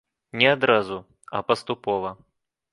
Не адразу, а паступова.